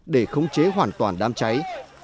để khống chế hoàn toàn đam cháy